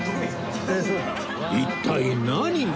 一体何が？